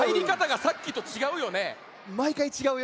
まいかいちがうよ。